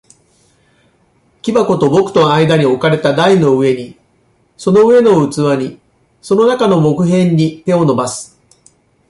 木箱と僕との間に置かれた台の上に、その上の器に、その中の木片に、手を伸ばす。